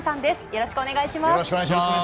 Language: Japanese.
よろしくお願いします。